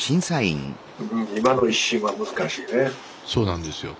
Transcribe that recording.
そうなんですよ